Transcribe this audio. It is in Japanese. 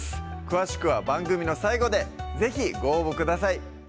詳しくは番組の最後で是非ご応募ください